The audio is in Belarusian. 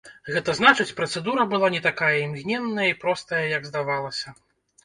Гэта значыць, працэдура была не такая імгненная і простая, як здавалася.